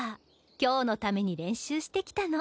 今日のために練習してきたの。